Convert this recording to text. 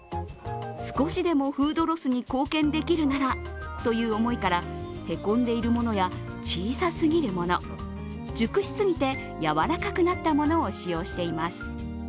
少しでもフードロスに貢献できるならという思いから、へこんでいるものや、小さすぎるもの、熟しすぎて、やわらかくなったものを使用しています。